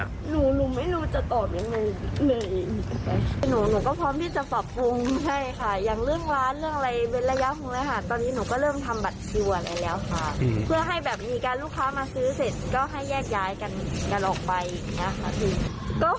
ก็ให้แยกย้ายกันออกไปอย่างนี้ครับค่ะ